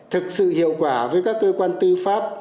thực sự hiệu quả với các cơ quan tư pháp